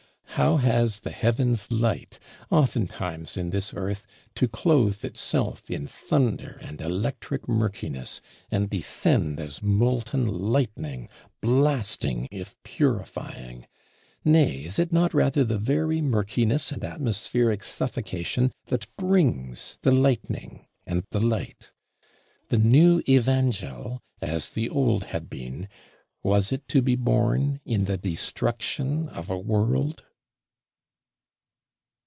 How has the heaven's light, oftentimes in this Earth, to clothe itself in thunder and electric murkiness, and descend as molten lightning, blasting, if purifying! Nay, is it not rather the very murkiness, and atmospheric suffocation, that brings the lightning and the light? The new Evangel, as the old had been, was it to be born in the Destruction of a World?